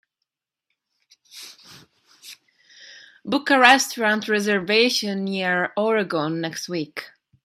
Book a restaurant reservation near Oregon next week